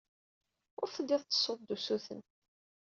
Ur tellid tettessud-d usuten.